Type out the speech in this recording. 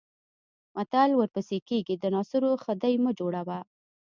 متل ورپسې کېږي د ناصرو خدۍ مه جوړوه.